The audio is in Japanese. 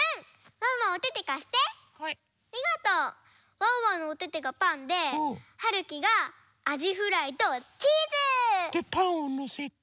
ワンワンのおててがパンではるきがあじフライとチーズ！でパンをのせて。